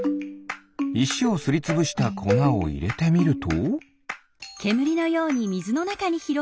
いしをすりつぶしたこなをいれてみると？